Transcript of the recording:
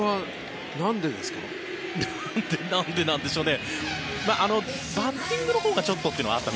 なんでなんでしょうね。